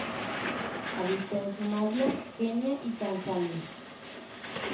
Habita en Somalia, Kenia y Tanzania.